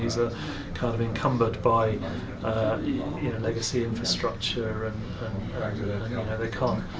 sedangkan banyak perusahaan besar terdapat infrastruktur yang berasal dari perusahaan